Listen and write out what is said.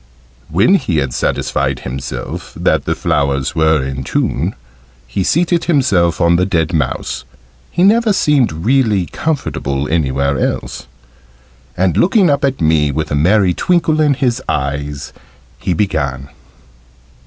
When he had satisfied himself that the flowers were in tune, he seated himself on the dead mouse (he never seemed really comfortable anywhere else), and, looking up at me with a merry twinkle in his eyes, he began.